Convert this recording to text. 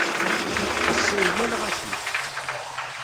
Ass-a, yella lɣaci.